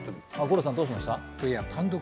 五郎さん、どうしました？